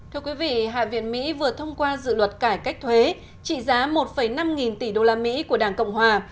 thưa quý vị hạ viện mỹ vừa thông qua dự luật cải cách thuế trị giá một năm nghìn tỷ đô la mỹ của đảng cộng hòa